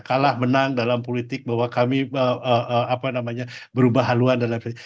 kalah menang dalam politik bahwa kami berubah haluan dan lain sebagainya